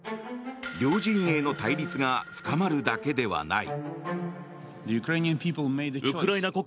両陣営の対立が深まるだけではない。